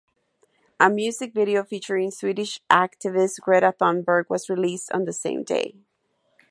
A music video featuring Swedish activist Greta Thunberg was released on the same day.